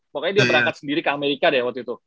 pokoknya dia berangkat sendiri ke amerika deh waktu itu